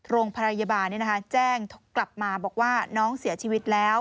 โรงพยาบาลแจ้งกลับมาบอกว่าน้องเสียชีวิตแล้ว